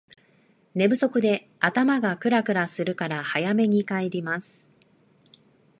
寝不足で頭がクラクラするから早めに休みます